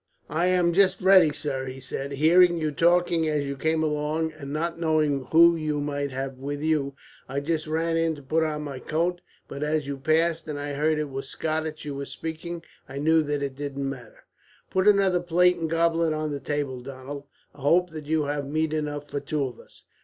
"I am just ready, sir," he said. "Hearing you talking as you came along, and not knowing who you might have with you, I just ran in to put on my coat; but as you passed, and I heard it was Scottish you were speaking, I knew that it didna matter." "Put another plate and goblet on the table, Donald. I hope that you have meat enough for two of us."